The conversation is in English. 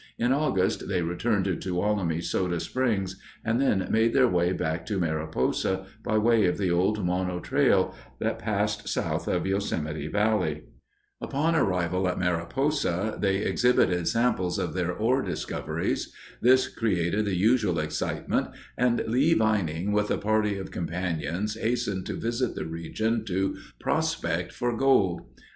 In August they returned to Tuolumne Soda Springs and then made their way back to Mariposa by way of the old Mono Trail that passed south of Yosemite Valley. Upon arrival at Mariposa they exhibited samples of their ore discoveries. This created the usual excitement, and Lee Vining with a party of companions hastened to visit the region to prospect for gold.